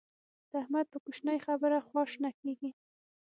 د احمد په کوشنۍ خبره خوا شنه کېږي.